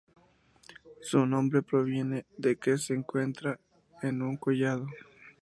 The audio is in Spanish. Su nombre proviene de que se encuentra en un collado.